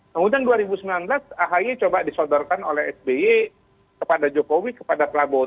kemudian dua ribu sembilan belas ahy coba disodorkan oleh sby kepada jokowi kepada prabowo